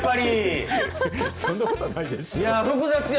そんなことはないでしょ。